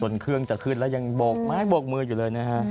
ตนเครื่องจะขึ้นแล้วยังบวกมืออยู่เลยนะคะ